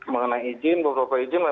mengenai izin bokok pak izin memang